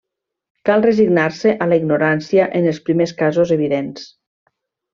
Cal resignar-se a la ignorància en els primers casos evidents.